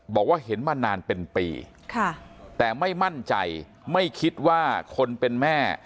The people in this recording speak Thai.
บอกว่าเห็นมานานเป็นปีแต่ไม่มั่นใจไม่คิดว่าคนเป็นแม่